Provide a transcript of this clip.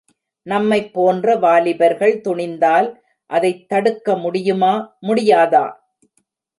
நம்மைப் போன்ற வாலிபர்கள் துணிந்தால் அதைத் தடுக்க முடியுமா முடியாதா?